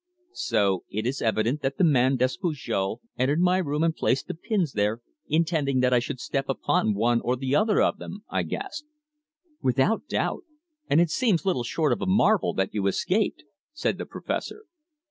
"So it is evident that the man Despujol entered my room and placed the pins there intending that I should step upon one or other of them!" I gasped. "Without doubt. And it seems little short of a marvel that you escaped," said the Professor.